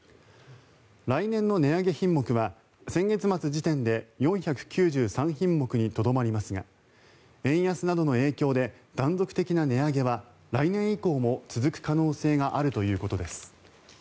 来年の値上げ品目は先月末時点で４９３品目にとどまりますが円安などの影響で断続的な値上げは来年以降も続く可能性があるということです。